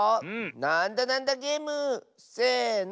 「なんだなんだゲーム」せの！